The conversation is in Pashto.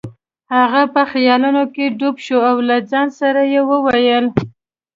هغه په خیالونو کې ډوب شو او له ځان سره یې وویل.